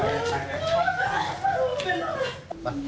แม่มหมากหาแรง